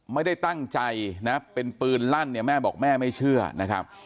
ไม่ได้ตั้งใจนะเป็นปืนลั่นเนี่ยแม่บอกแม่ไม่เชื่อนะครับ